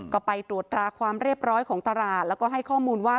ก็ไปตรวจตราความเรียบร้อยของตลาดแล้วก็ให้ข้อมูลว่า